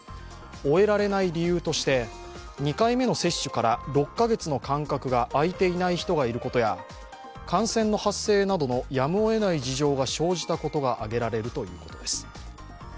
終えられない理由として２回目の接種から６カ月の間隔があいていない人がいることや、感染の発生などのやむをえない事情が生じたことが挙げられるということです。